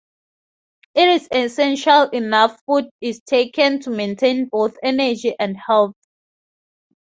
It is essential enough food is taken to maintain both energy and health.